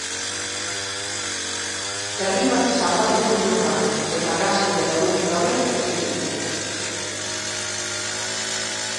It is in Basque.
Herri bat zapaldu du lurrak, eta gasik eta urik gabe utzi du.